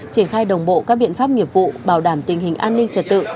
triển khai đồng bộ các biện pháp nghiệp vụ bảo đảm tình hình an ninh trật tự